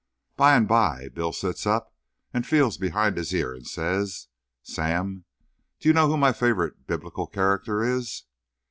By and by, Bill sits up and feels behind his ear and says: "Sam, do you know who my favourite Biblical character is?"